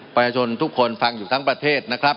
ประชาชนทุกคนฟังอยู่ทั้งประเทศนะครับ